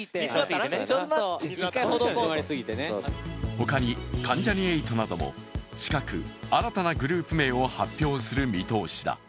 他に、関ジャニ∞なども近く新たなグループ名を発表する見通しだ。